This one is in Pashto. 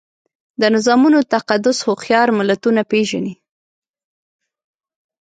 د نظامونو تقدس هوښیار ملتونه پېژني.